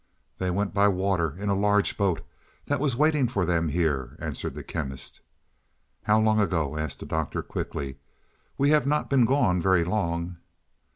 "They went by water, in a large boat that was waiting for them here," answered the Chemist. "How long ago?" asked the Doctor quickly. "We have not been gone very long."